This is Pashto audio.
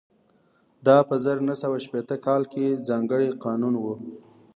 دا په زر نه سوه شپېته کال کې ځانګړی قانون و